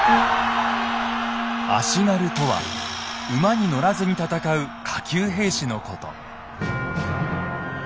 「足軽」とは馬に乗らずに戦う下級兵士のこと。